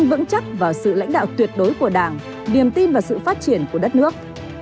vững chắc vào sự lãnh đạo tuyệt đối của đảng niềm tin và sự phát triển của đất nước